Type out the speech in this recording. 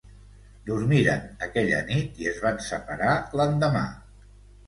Dormiren aquella nit i es van separar l'endemà.